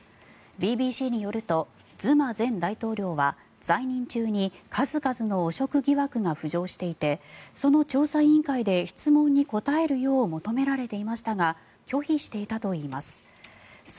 ＢＢＣによるとズマ前大統領は在任中に数々の汚職疑惑が浮上していてその調査委員会で質問に答えるよう求められていましたが拒否していたといいます。